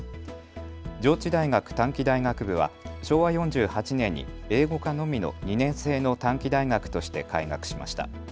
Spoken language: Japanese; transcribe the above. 上智大学短期大学部は昭和４８年に英語科のみの２年制の短期大学として開学しました。